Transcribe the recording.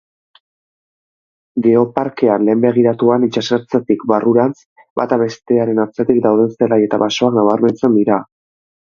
Geoparkean lehen begiratuan, itsasertzetik barrurantz, bata bestearen atzetik dauden zelai eta basoak nabarmentzen dira.